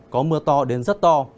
có mưa to đến rất to